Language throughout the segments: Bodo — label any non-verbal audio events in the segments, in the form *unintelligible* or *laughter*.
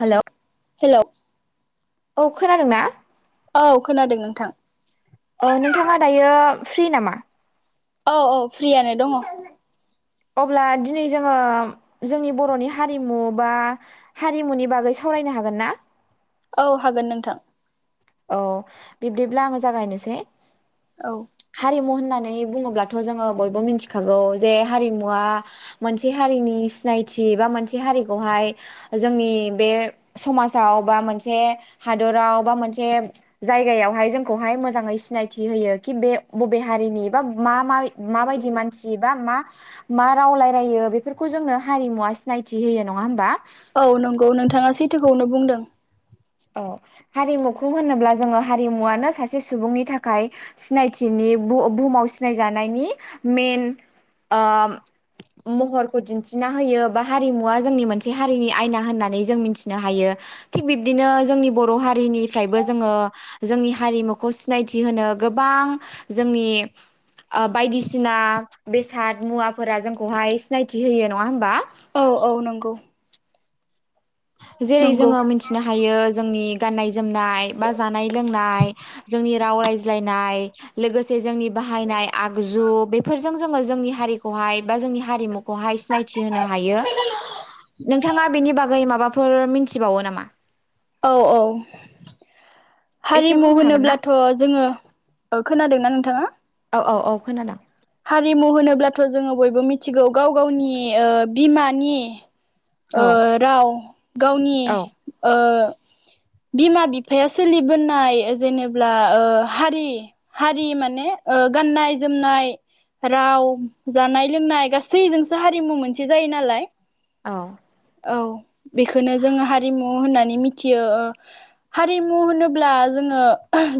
हेलौ हेल' औ खोनादोंना औ खोनादों नोंथां औ नोंथाङा दायो फ्रि नामा? औ औ फ्रियानो दङ अब्ला दिनै जोङो जोंनि बर'नि हारिमु बा हारिमुनि बागै सावरायनो हागोन ना? औ हागोन नोंथां औ बिब्दिब्ला आङो जागायनोसै औ हारिमु होनना नै बुङोब्लाथ' जोङो बयबो मिथिखागौ जे हारिमुवा मोनसे हारिनि सिनायथि बा मोनसे हारिखौहाय जोंनि बे समाजाव बा मोनसे हादराव बा मोनसे से जायगायावहाय जोंखौहाय मोजाङै सिनायथि होयो कि बे बबे हारिनि बा मा मा माबायदि मानसि बा मा मा राव रायलायो बेफोरखौ जोंनो हारिमुवा सिनायथि होयो नङा होमबा? औ नंगौ नोंथाङा सैथोखौनो बुंदों। औ हारिमुखौ होनोब्ला जोङो हारिमुवानो सासे सुबुंनि थाखाय सिनायथिनि बु-बुहुमाव सिनायजानायनि मेन ओ महरखौ दिन्थिना होयो बा हारिमुवा जोंनि मोनसे हारिनि आयना होननानै जों मिथिनो हायो थिग बिब बिदिनो जोंनि बर' हारिनिफ्रायबो जोङो जोंनि हारिमुखौ सिनायथि होनो गोबां जोंनि ओ बायदिसिना बेसाद मुवाफोरा जोंखौहाय सिनायथि होयो नङा होमबा? औ औ नंगौ जेरै नंगौ जोङो मिथिनो हायो जोंनि गाननाय जोमनाय बा जानाय लोंनाय जोंनि राव रायज्लायनाय लोगोसे जोंनि बाहायनाय आगजु बेफोरजों जोङो जोंनि हारिखौहाय बा जोंनि हारिमु खौहाय सिनायथि होनो हायो नोंथाङा बेनि बागै *unintelligible* माबाफोर मिथिबावो नामा? औ औ। एसे हारिमु बुंनो हागोन ना होनोब्लाथ' जोङो ओ खोनादोंना नोंथाङा? औ औ औ खोनादों। हारिमु होनोब्लाथ' जोङो बयबो मिथिगौ गाव गावनि ओ बिमानि ओ औ राव गावनि औ ओ बिमा बिफाया सोलिबोनाय जेनेब्ला ओ हारि हारि माने ओ गाननाय जोमनाय राव जानाय लोंनाय गासैजोंसो हारिमु मोनसे जायो नालाय। औ औ बेखोनो जोङो हारिमु होननानै मिथियो ओ हारिमु होनोब्ला जोङो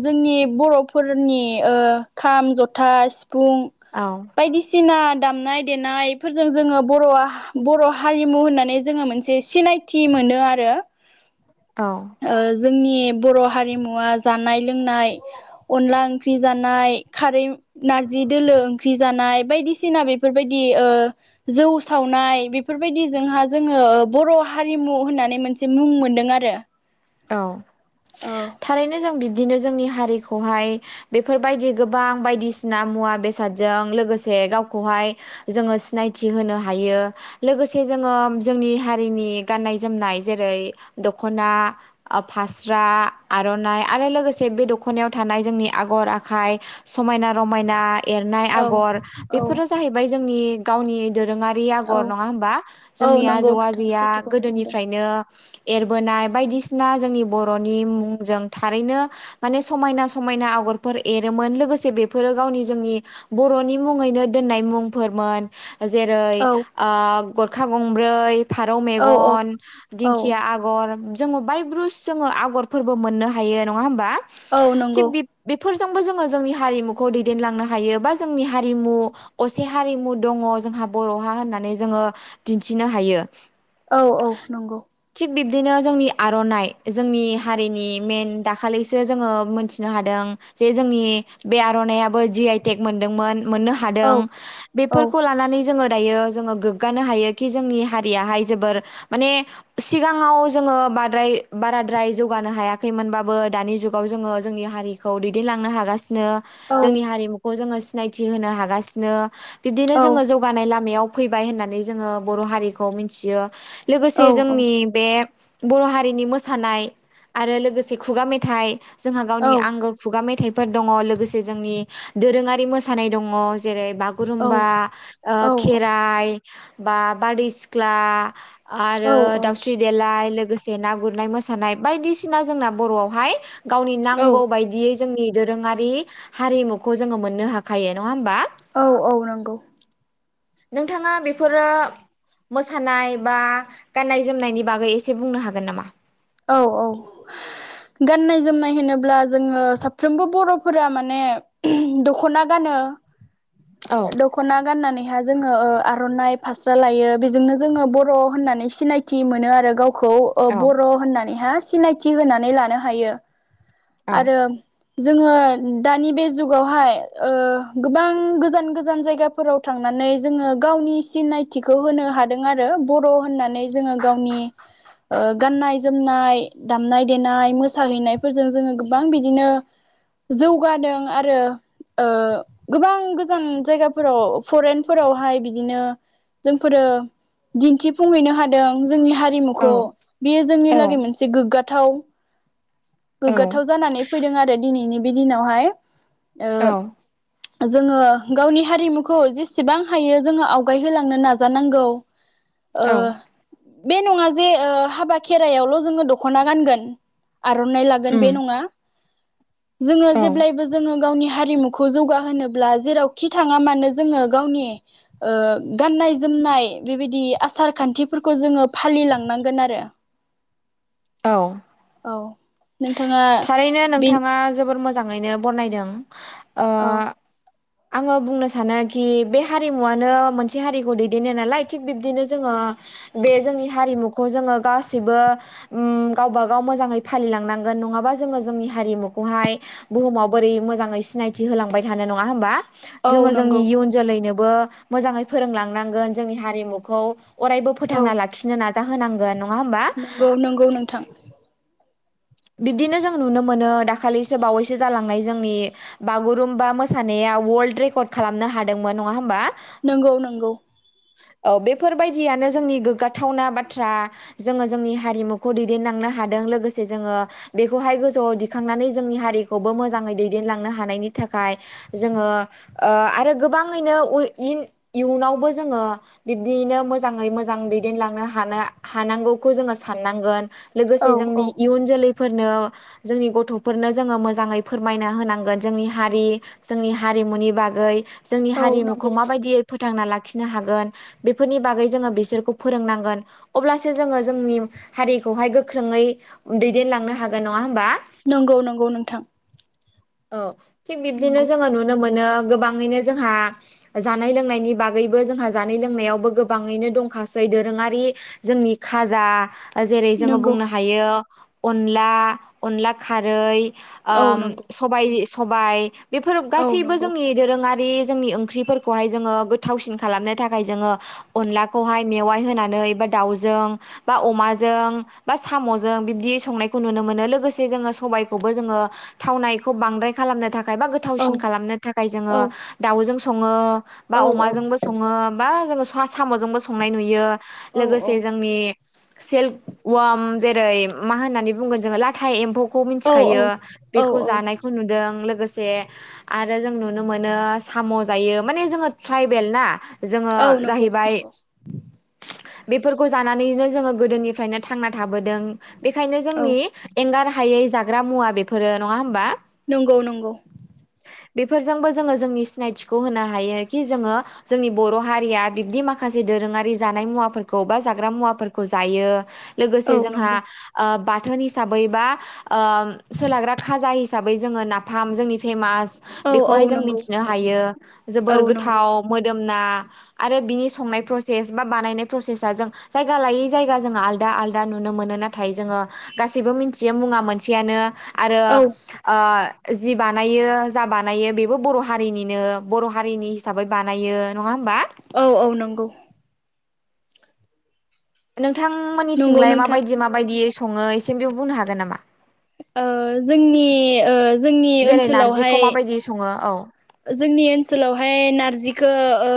जोंनि बर'फोरनि ओ खाम, जथा, सिफुं औ बायदिसिना दामनाय देनायफोरजों जोङो बर'आ बर' हारिमु होननानै जोङो मोनसे सिनायथि मोनो आरो। औ ओ जोंनि ए बर' हारिमु आ जानाय लोंनाय अनला ओंख्रि जानाय खारै नार्जि दोलो ओंख्रि जानाय बायदिसिना बेफोरबायदि ओ जौ सावनाय बेफोरबायदि जोंहा जोङो बर' हारिमु होननानै मोनसे मुं मोनदों आरो। औ औ थारैनो जों बिब्दिनो जोंनि हारिखौहाय बेफोरबायदि गोबां बायदिसिना मुवा बेसादजों लोगोसे गावखौहाय जोङो सिनायथि होनो हायो लोगोसे जोङो जोंनि हारिनि गाननाय जोमनाय जेरै दख'ना ओ फास्रा आर'नाइ आरो लोगोसे बे दख'नायाव थानाय जोंनि आगर आखाइ समाइना रमाइना एरनाय आगर औ बेफोर जाहैबाय जोंनि गावनि दोरोङारि औ आग'र नङा होमबा औ जोंनि नंगौ आजौ नोंथाङा आजैआ सैथोखौनो बुंदों गोदोनिफ्रायनो एरबोनाय बायदिसि ना जोंनि बर'नि मुंजों थारैनो माने समाइना समाइना आगरफोर एरोमोन लोगोसे बेफोरो गावनि जोंनि बर'नि मुङैनो दोननाय मुंफोरमोन। जेरै औ ओ गरखा गंब्रै फारौ औ औ मेगन, औ दिंखिया आग'र। जोंबो बाय ब्रुस जोङो आगरफोरबो मोननो हायो नङा होमबा औ थि नंगौ बे बे फोरजोंबो जोङो जोंनि हारिमुखौ दैदेनलांनो हायो बा जोंनि हारिमु असे हारिमु दङ जोंहा बर'हा होननानै जोङो दिन्थिनो हायो। औ औ नंगौ थिग बिब्दिनो जोंनि आरो आर'नाइ जोंनि हारिनि मेइन दाखालिसो जोङो मोनथिनो हादों जे जोंनि बे आर'नायइाबो जि आइ टेक मोनदोंमोन मोननो औ हादों औ बेफोरखौ लानानै जोङो दायो जोङो गोगानो हायोखि जोंनि हारियाहाय जोबोर माने सिगाङाव जोङो बाराद्राय जौगानो हायाखैमोनबाबो दानि जुगाव जोङो जोंनि हारिखौ दैदेनलांनो हागासिनो जोंनि हारिमुखौ जोङो सिनायथि होनो हागासिनो बिब्दिनो औ जोङो जौगानाय लामायाव फैबाय होननानै जोङो बर' हारिखौ मिथियो औ लोगोसे जोंनि बे बर' हा रिनि मोसानाय आरो लोगोसे खुगा मेथाइ जोंहा औ गावनि आंगो खुगा मेथाइ फोर दङ लोगोसे जोंनि दोरोङारि मोसानाय दङ जेरै बागुरुमबा ओ खेराइ बा बारदै सिख्ला आरो औ औ दाउस्रि देलाय लोगोसे ना गुरनाय मोसानाय बायदिसिना जोंना बर'आवहाय गावनि औ नांगौ बायदियै जोंनि दोरोङारि हारिमुखौ जोङो मोननो हाखायो नङा होमबा औ औ नंगौ नोंथाङा बेफोरो मोसानाय बा गान्नाय जोमनायनि बागै एसे बुंनो हाग गोन नामा औ औ गाननाय जोमनाय होनोब्ला जोङो साफ्रोमबो बर'फोरा माने दख'ना गानो औ दख'ना गाननानै जोङो ओ आर'नाइ फास्रा लायो बेजोंनो जोङो बर' होननानै सिनायथि मोनो आरो गाव खौ ओ औ बर' होननानैहा सिनायथि होनानै लानो हायो। औ आरो जोङो दानि बे जुगावहाय ओ गोबां गोज गोजान गोजान जायगाफोराव थांनानै जोङो गावनि सिनायथिखौ होनो हादों आरो बर' होननानै जोङो गावनि ओ गाननाय जोमनाय दामनाय देनाय मोसाहैनायफोरजों जोङो गोबां बिदिनो जौगादों आरो ओ गोबां गोजान जायगाफोराव फरेन फोरावहाय बिदिनो जोंफोरो दिन्थिफुंहैनो हादों जोंनि औ हारिमुखौ बियो जोंनि औ लागै मोनसे गोग्गाथाव औ गोग्गाथाव जानानै फैदों आरो दिनैनि बि दिनावहाय औ ओ जोङो गावनि हारिमुखौ जेसेबां हायो जोङो आवगायहोलांनो नाजानांगौ औ ओ बे नङा जे ओ हाबा खेराइायावल' जोङो दख'ना गानगोन आर'नाइ लागोन उम बे नङा जोङो औ जेब्लायबो जोङो गावनि हा हारिमुखौ जौगाहोनोब्ला जेराव खि थाङा मानो जोङो गावनि ओ गाननाय जोमनाय बेबायदि आसार खान्थिफोरखौ जोङो फालिलांनांगोन आरो। औ। औ नोंथाङा थारैनो बे नोंथाङा जोबोर मोज जांङैनो बनायदों। ओ औ आङो बुंनो सानोखि बै हारिमुवानो मोनसे हारिखौ दैदेनो नालाय थिग बिब्दिनो जोङो। बे जोंनि हारिमुखौ जोङो। गासैबो उम गावबागाव मोजाङै फालिलांनांगोन नङाबा जोङो जोंनि हारिमुखौहाय बुहुमाव बोरै मोजाङै सिनायथि होलांबाय थानो नङा होमबा। औ जोंङो जोंनि नंगौ इयुन जोलैनोब बो मोजाङै फोरोंलांनांगोन जोंनि हारिमुखौ। अरायबो फोथांना लाखिनो नाज जा होनांगोन न नोंगौ नोंगौ नोंथां। बिब्दिनो जों नुनो मोनो दाखालैसो बावैसो जालांनाय जोंनि बागुरुम्बा मोसानाया वल्ड्र रेकर्ड खालामनो हादोंमोन नंङा होमबा। नोंगौ नोंगौ। अ बेफ फोरबायदियानो जोंनि गोगगाथ थावना बाथ्रा जोङो जोंनि हारिमुखौ दैदेन्लांनो हादों लोगोसे जोङो। बेखौहाय गोजौआव दिखांनानै जोंनि हारिखौबो मोजाङै दैदेनलांनो हानायनि थाखाय जोंङो ओ आरो गोबाङैनो उ लोगोसे औ औ जोंनि इयुन जोलैफ फोरनो जोंनि गथ'फोरनो जोङो मोजाङै फोरमायना होनांगोन जोंनि हारि जोंनि हारिमुनि बागै। जोंनि औ हारिमुखौ नंगौ माबायदियै फोथांना लाख खिनो हागोन बेफोरनि बागै जोङो बिसोरखौ फोरोंनांगोन अब्लासो जोङो जोंनि हारिखौहाय गोख्रोङै दै देनलांनो हागोन नङा होमबा? नंगौ नंगौ नोंथां औ थिग बिबदिनो नंगौ जोुनो मोन नो गोबाङैनो जोंहा जानाय लोंनायनि बागैबो जोंहा जानाय लोंनायावबो गोबाङैनो दंखासै दोरोङारि जोंनि खाजा। जेरै जोङो नंगौ बुंनो हायो। अनला अनला खारै। औ ओम नंगौ सबाय स सबाय बेफोर औ गासैबो नंगौ जोंनि दोरोङा रि जोंनि ओंख्रिफोरखौहाय जोङो गोथावसिन खालामनो थाखाय जोङो अनलाखौहाय मेवाय होनानै बा दावजों बा अमाजों बा साम'जों बिबदि संनायखौ नुनो मोनो लोगोसे जोङो सबायखौबो जोङो थावनायखौ बांद्राय खालामनो था एबा औ गोथावसिन खालामनो थाखाय औ जोङो औ दावजों सं सङो बा अमाजोंबो सङो बा जोङो सा-साम'जोंबो संनाय नुयो। औ लोगोसे जोंनि सेलक वम जेरै मा होननानै बुंगोन जोङो लाथाइ एम्फौ औ मिथिखायो औ बेखौ औ जानायखौ नुदों लो लोगोसे आरो जों नुनो मोनो साम' जायो माने जोङो ट्राइबेल ना! जोङो औ नंगौ जाहैबाय नंगौ बेफोर बेफोरखो जानानैनो जोङो गोदोनिफ्रायनो थांना थाबोदों। बेखायनो औ जोंनि एंगार हा हायै जाग्रा मुवा बेफोरो नङा होमबा? नंगौ नंगौ। बेफोरजोंबो जोङो जोंनि सिनायथिखौ होनो हायो कि जोङो जोंनि बर' हारिया बिब्दि माखासे दोरोङारि जानाय मुवाफोरखौ बा जाग्रा मुवाफोरखौ जायो। औ लोगोसे जोंहा नंगौ बाथोन हिसाबै बा ओ सोलाग्रा खाजा हिसाबै जोङो नाफाम जोंनि फेमा औ औ बेखौहाय जों नंगौ मिथिनो हायो औ जोबोर नंगौ गोथाव मोदोमना आरो बिनि संनाय प्रसेस बा बानायनाय प्रसेसा जों जायगा लायै जायगा जों आलदा आलदा नुनो मोनोना नाथ नाथाय जोङो गासैबो मिथियो मुङा मोनसेयानो। आरो औ ओ जि बानायो जा बानायो बेबो बर' हारिनिनो बर' हारिनि हिसाबै बानायो नङा होमबा? औ औ नंगौ नंगौ बिथांमोननिथिंलाय नोंथां माबायदि माबायदि सङो एसेम बेयाव बुंनो हागोन नामा? ओ जोंनि जोंनि जेरै नारजिखौ ओनसोलावहाय माबायदि सङो औ जोंनि ओनसोलावहाय नारजिखौ ओ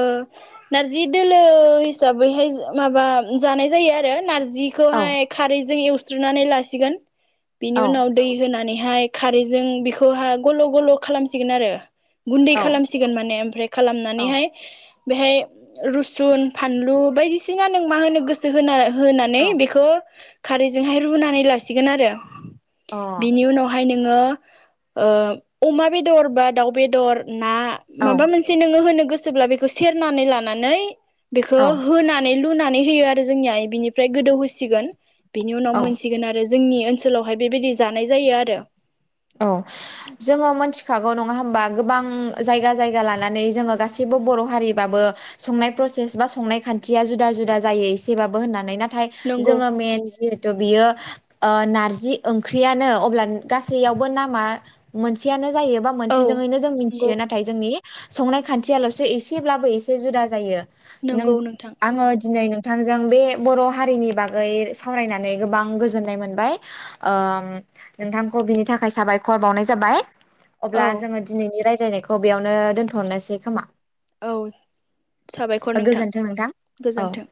नारजि दोलो हिसाबैहाय माबा जानाय जायो आरो नारजि औ जिखौहाय खारैजों एव सुस्रुनानै लासिगोन बिनि औ उनाव दै होनानै बेहाय खारैजों बेखौहा गल' गल' खालामसिगोन आरो गुन्दै औ खालामसिगोन माने ओमफ्राय औ खालामनानैहाय बेहाय रुसुन फानलु बायदिसिना नों मा होनो गोसो होना होनानै अ बेखौ खारैजोंहाय रुनानै लासिगोन आरो बिनि उनावहायनो नो ओ अमा बेदर बा दाउ बेदर ना औ माबा मोनसे नोङो होनो गोसोब्ला बेखौ सेरनानै लानानै बेखौ औ होनानै लुनानै होयो आरो जोंनिया बिनिफ्राय गोदौ होसिगोन बिनि उनाव औ मोनसिगोन आरो जोंनि ओनसोलाव बेहाय बेबायदि जानाय जायो आरो औ जोङो मोनसि खागौ नङा होमबा गोबां जायगा जायगा लानानै जोङो गासैबो बर' हारिबाबो संनाय प्रसेस बा संनाय खान्थिया जुदा जुदा जायो एसेबाबो होननानै ना थाय नंगौ जोङो मेन जिहेथु बियो ओ नारजि ओंख्रियानो अब्ला गा सै आवबो नामा मोनसेयनो जायोबा औ मोनसेजोङैनो जों नंगौ मिथियो नाथाय जोंनि संनाय खान्थियाल'सो एसेब्लाबो एसे जुदा जायो। नों नंगौ नोंथां आङो दिनै नों थांजों बे बर' हारिनि बागै सावरायनानै गोबां गोजोननाय मोनबाय ओं नोंथां खौ बिनि थाखाय साबायखर बावनाय जाबाय। औ अब्ला जोङो दिनैनि राय नायखौ बेयावनो दोनथ'नोसै खोमा! औ साबायखर नोंथां औ गोजोन्थों।